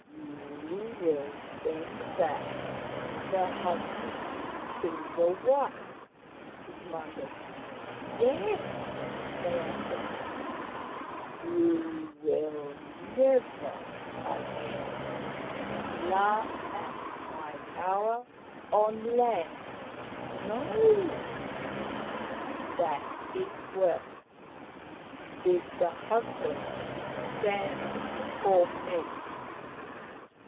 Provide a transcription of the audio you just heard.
" You will send back the husband to the wife/' he commanded. " Yes," they answered. " You will never again laugh at my power on land ?"" No." " That is well. Bid the husband stand before me."